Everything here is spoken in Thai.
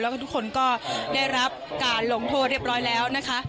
แล้วก็ทุกคนก็ได้รับการลงโทษเรียบร้อยแล้วนะคะ